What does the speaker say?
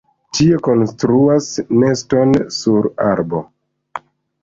Tie konstruas neston sur arbo.